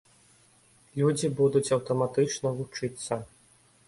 Людзі будуць аўтаматычна вучыцца.